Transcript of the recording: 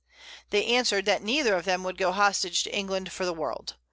They answer'd, That neither of them would go Hostage to England for the World.